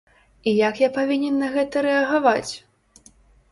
І як я павінен на гэта рэагаваць?